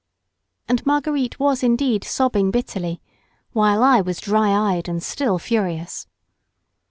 And Marguerite was indeed sobbing bitterly, while I was dry eyed and still furious.